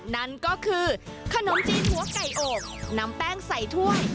นั่นก็คือขนมจีนหัวไก่อบนำแป้งใส่ถ้วย